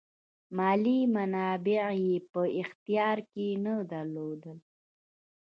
مالي منابع یې په اختیار کې نه درلودل.